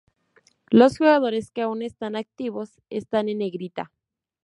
Los jugadores que aún están activos están en negrita.